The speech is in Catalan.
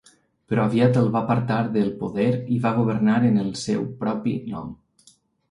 Però aviat el va apartar del poder i va governar en el seu propi nom.